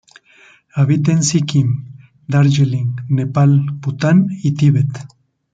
Habita en Sikkim, Darjeeling, Nepal, Bután y Tíbet.